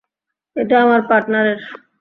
এটা আমার পার্টনারের।